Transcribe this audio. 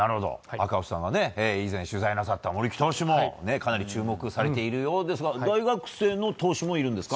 赤星さんが以前取材なさった森木投手もかなり注目されているようですが大学生の投手もいるんですか？